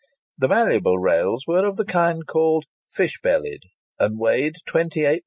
The malleable rails were of the kind called "fish bellied," and weighed 28 lbs.